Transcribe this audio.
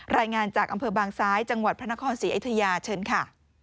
รายงานจากอำเภอบางซ้ายจังหวัดพระนครศรีอยุธยาเชิญค่ะ